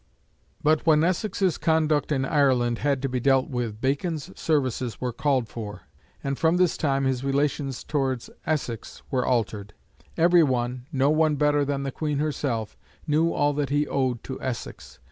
But when Essex's conduct in Ireland had to be dealt with, Bacon's services were called for; and from this time his relations towards Essex were altered. Every one, no one better than the Queen herself, knew all that he owed to Essex.